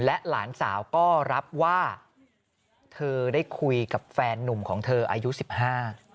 และหลานสาวก็รับว่าเธอได้คุยกับแฟนนุ่มของเธออายุสิบห้า